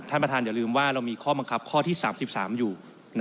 ท่านประธานอย่าลืมว่าเรามีข้อบังคับข้อที่๓๓อยู่